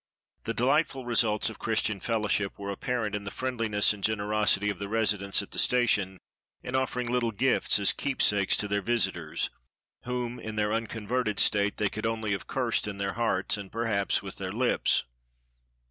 The delightful results of Christian fellowship were apparent in the friendliness and generosity of the residents at the station, in offering little gifts as keepsakes to their \'isitors, whom, in their unconverted state, they could only have cursed in their hearts, and perhaps with their lips.